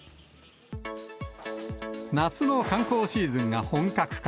夏の観光シーズンが本格化。